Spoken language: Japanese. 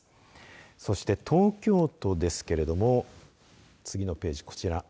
そして、東京都ですけれども次のページこちら。